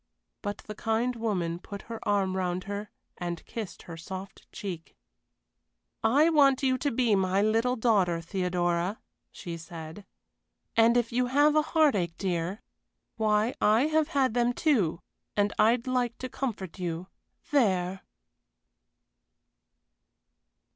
But the kind woman put her arm round her and kissed her soft cheek. "I want you to be my little daughter, Theodora," she said. "And if you have a heartache, dear, why I have had them, too and I'd like to comfort you. There!"